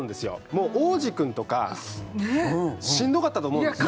もう央士くんとかしんどかったと思うんですよ